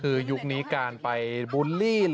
คือยุคนี้การไปบูลลี่